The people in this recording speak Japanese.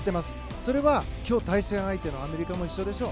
それは今日、対戦相手のアメリカも一緒でしょう。